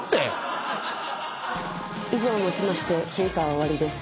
以上をもちまして審査は終わりです。